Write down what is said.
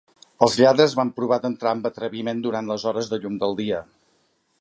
Els lladres van provar d'entrar amb atreviment durant les hores de llum del dia.